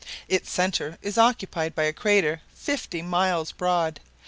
Its center is occupied by a crater fifty miles broad.